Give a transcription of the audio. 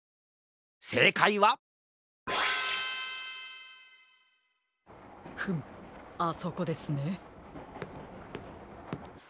せいかいはフムあそこですね。